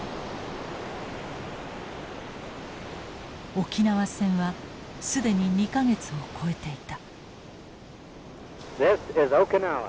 沖縄戦は既に２か月を超えていた。